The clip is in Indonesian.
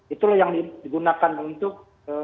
itulah yang digunakan untuk